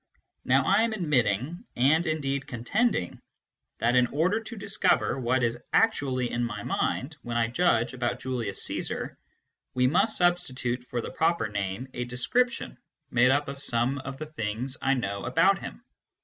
Now I am admitting, and indeed contending, that in order to discover what is actually in my mind when I judge about Julius Caesar, we must substitute for the proper name a description made up of some of the thing? I know about him.